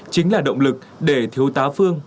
chính là động lực để thiếu tá phương